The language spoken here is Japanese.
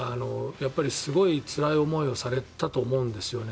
やっぱりすごいつらい思いをされたと思うんですよね。